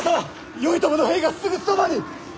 頼朝の兵がすぐそばに！